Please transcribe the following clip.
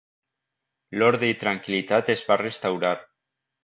L'orde i tranquil·litat es va restaurar.